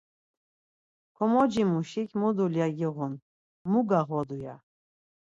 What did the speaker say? Komoci muşik, Mu dulya giğun, mu gağodu? ya.